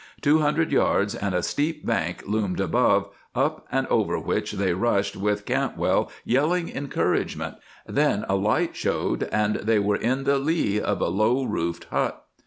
Two hundred yards, and a steep bank loomed above, up and over which they rushed, with Cantwell yelling encouragement; then a light showed, and they were in the lee of a low roofed hut.